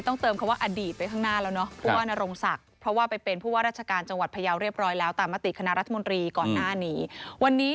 ต้องเติมคำว่าอดีตไปข้างหน้าแล้ว